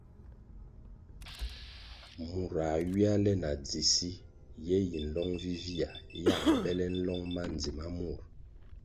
Mur a ywia le na dzi si, ye yi nlong vivihya yā bele nlong ma ndzima mur.